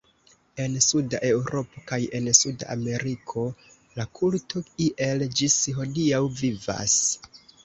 En Suda Eŭropo kaj en Suda Ameriko la kulto iel ĝis hodiaŭ vivas.